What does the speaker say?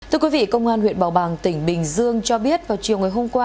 thưa quý vị công an huyện bảo bàng tỉnh bình dương cho biết vào chiều ngày hôm qua